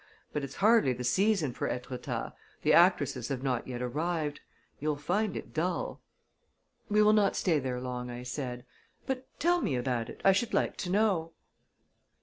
But it's hardly the season for Etretat the actresses have not yet arrived. You'll find it dull." "We will not stay there long," I said. "But tell me about it. I should like to know."